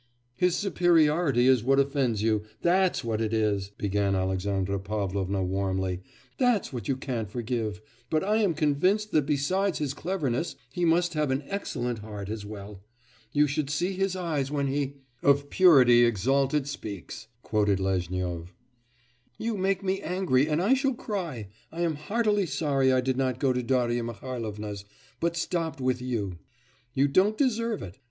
'His superiority is what offends you that's what it is!' began Alexandra Pavlovna warmly, 'that's what you can't forgive. But I am convinced that besides his cleverness he must have an excellent heart as well. You should see his eyes when he ' '"Of purity exalted speaks,"' quoted Lezhnyov. 'You make me angry, and I shall cry. I am heartily sorry I did not go to Darya Mihailovna's, but stopped with you. You don't deserve it.